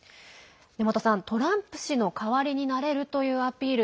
根本さん、トランプ氏の代わりになれるというアピール